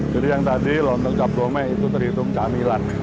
jadi yang tadi lontong cap gomme itu terhitung camilan